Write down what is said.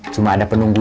hanya ada pembantu